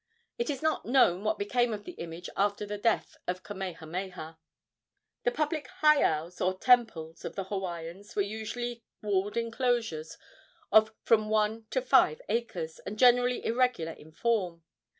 It is not known what became of the image after the death of Kamehameha. The public heiaus, or temples, of the Hawaiians were usually walled enclosures of from one to five acres, and generally irregular in form.